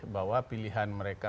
bahwa pilihan mereka